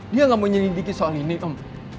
dia gak mau nyelidiki soal ini om